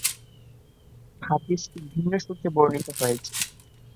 হাদীসটি ভিন্ন সূত্রে বর্ণিত হয়েছে।